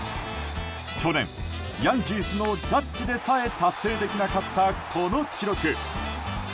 去年、ヤンキースのジャッジでさえ達成できなかったこの記録。